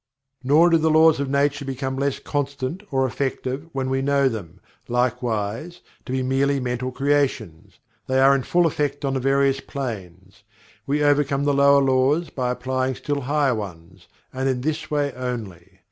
Nor do the Laws of Nature become less constant or effective, when we know them, likewise, to be merely mental creations. They are in full effect on the various planes. We overcome the lower laws, by applying still higher ones and in this way only.